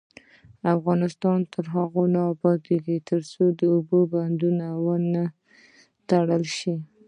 افغانستان تر هغو نه ابادیږي، ترڅو د اوبو بندونه ونه تړل شي.